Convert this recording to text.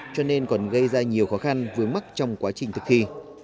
cho nên còn gây ra nhiều khó khăn vướng mắt trong quá trình thực thi